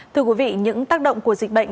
thưa quý vị những tác động của dịch bệnh